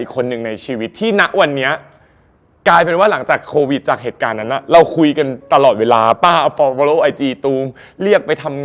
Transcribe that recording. ก็เลยกลายเป็นแบบโชคดีที่ตุ้มได้ผู้ใหญ่ใจดีอีกคนนึง